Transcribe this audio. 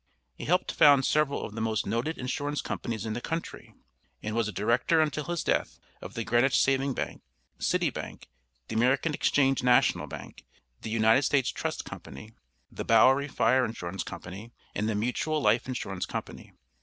He helped found several of the most noted Insurance Companies in the country, and was a director until his death, of the Greenwich Saving Bank, City Bank, The American Exchange National Bank, the United States Trust Company, the Bowery Fire Insurance Company, and the Mutual Life Insurance Company.